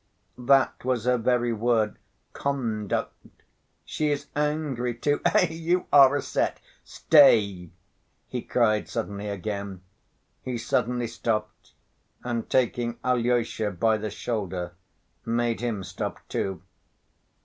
That was her very word: 'conduct.' She is angry too. Eh, you are a set! Stay!" he cried suddenly again. He suddenly stopped and taking Alyosha by the shoulder made him stop too.